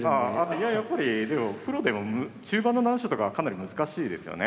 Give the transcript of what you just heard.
いややっぱりでもプロでも中盤の難所とかはかなり難しいですよね